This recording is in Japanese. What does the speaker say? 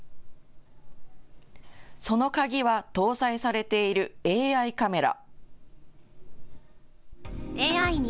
その鍵は搭載されているＡＩカメラ。